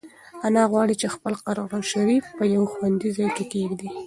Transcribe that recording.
انا غواړي چې خپل قرانشریف په یو خوندي ځای کې کېږدي.